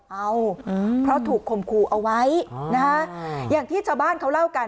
เอ้าเพราะถูกคมครูเอาไว้อย่างที่ชาวบ้านเขาเล่ากัน